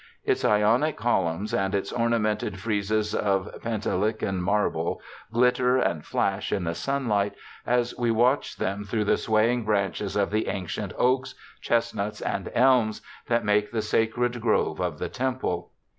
Its Ionic columns, and its ornamented friezes of Pentelican marble, glitter and flash in the sunlight, as we watch them through the swaying branches of the ancient oaks, chestnuts, and elms, that make the sacred grove of the temple.